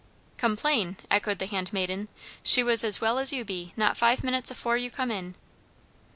"Complain!" echoed the handmaiden. "She was as well as you be, not five minutes afore you come in."